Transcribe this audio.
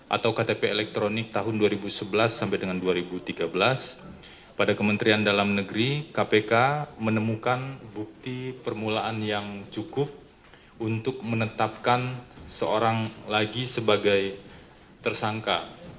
atau ktp elektronik tahun dua ribu sebelas sampai dengan dua ribu tiga belas pada kementerian dalam negeri kpk menemukan bukti permulaan yang cukup untuk menetapkan seorang lagi sebagai tersangka